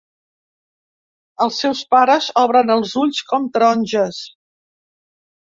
Els seus pares obren els ulls com taronges.